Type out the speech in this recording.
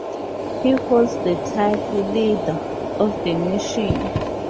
He holds the title 'Leader of the Nation'.